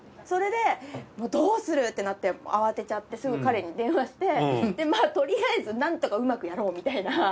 それでどうする？ってなって慌てちゃってすぐ彼に電話してとりあえずなんとかうまくやろうみたいな。